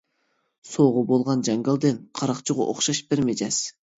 سوۋغا بولغان جاڭگالدىن، قاراقچىغا ئوخشاش بىر مىجەز.